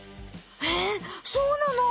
えそうなの？